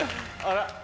あら！